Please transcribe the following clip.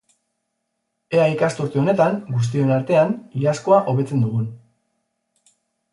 Ea ikasturte honetan, guztion artean, iazkoa hobetzen dugun!